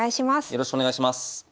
よろしくお願いします。